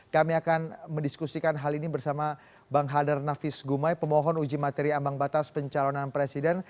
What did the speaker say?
kami akan mendiskusikan hal ini bersama bang hadar nafis gumai pemohon uji materi ambang batas pencalonan presiden